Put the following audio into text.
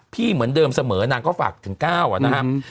เหมือนเดิมเสมอนางก็ฝากถึงก้าวอะนะครับ